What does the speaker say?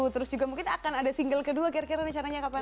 terus juga mungkin akan ada single kedua kira kira rencananya kapan